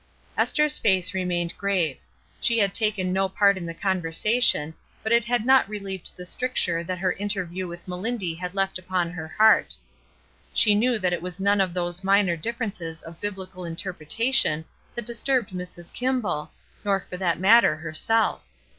Esther's face remained grave. She had taken 270 ESTER RIED'S NAMESAKE no part in the conversation, but it had not relieved the stricture that her interview with Mehndy had left upon her heart. She knew that it was none of those minor differences of Biblical interpretation that disturbed Mrs. Kimball, nor for that matter herself.